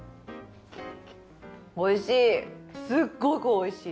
おいしい。